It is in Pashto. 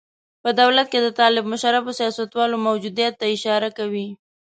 په دولت کې د طالب مشربو سیاستوالو موجودیت ته اشاره کوي.